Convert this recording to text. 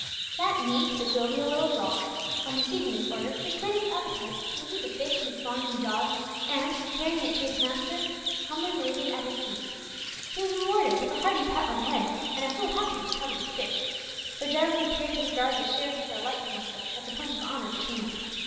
That meek but jovial little dog, on receiving this order, restrained its appetite, lifted the fish in its longing jaws, and, carrying it to his master, humbly laid it at his feet. He was rewarded with a hearty pat on the head, and a full half of the coveted fish for Jarwin appeared to regard the "share and share alike" principle as a point of honour between them.